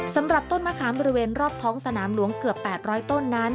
สำหรับต้นมะขามบริเวณรอบท้องสนามหลวงเกือบ๘๐๐ต้นนั้น